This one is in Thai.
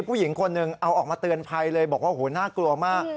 ผู้หญิงคนหนึ่งเอาออกมาเตือนภัยเลยบอกว่าโหน่ากลัวมาก